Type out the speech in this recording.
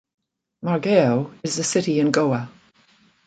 Margao is a city in Goa.